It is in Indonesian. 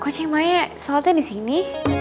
kok cing maya solatnya disini